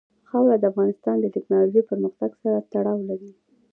خاوره د افغانستان د تکنالوژۍ پرمختګ سره تړاو لري.